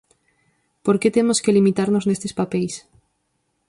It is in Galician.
Por que temos que limitarnos nestes papeis?